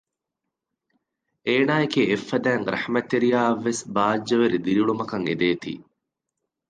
އޭނާއެކޭ އެއްފަދައިން ރަޙްމަތްތެރިޔާއަށްވެސް ބާއްޖަވެރި ދިރިއުޅުމަކަށް އެދޭތީ